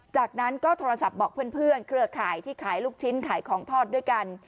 จากนั้นก็โทรศัพท์บอกเพื่อนเครือข่ายที่ขายลูกชิ้นขายของทอดด้วยกัน